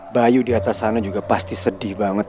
bayu di atas sana juga pasti sedih banget